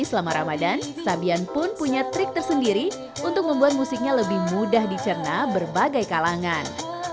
selama ramadan sabian pun punya trik tersendiri untuk membuat musiknya lebih mudah dicerna berbagai kalangan